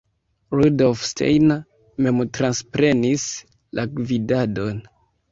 Rudolf Steiner mem transprenis la gvidadon.